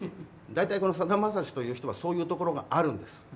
大体、このさだまさしという人はそういうところがあるんです。